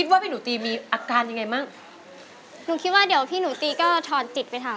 ใช่นะเพราะเราต้องการอัตรรักของประเทศ